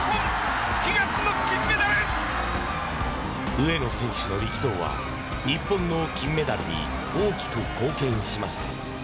上野選手の力投は日本の金メダルに大きく貢献しました。